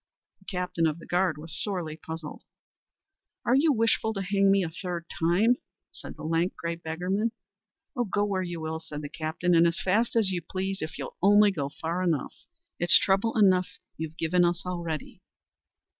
The captain of the guard was sorely puzzled. "Are you wishful to hang me a third time?" said the lank, grey beggarman. "Go where you will," said the captain, "and as fast as you please if you'll only go far enough. It's trouble enough you've given us already."